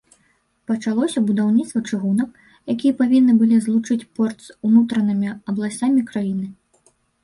Пачалося будаўніцтва чыгунак, якія павінны былі злучыць порт з унутранымі абласцямі краіны.